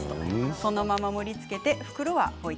そのまま盛りつけて袋は、ポイ。